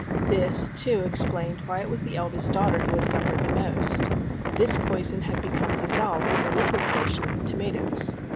This, too, explained why it was that the eldest daughter had suf fered the most. This poison had become dissolved in the liquid portion of the tomatoes.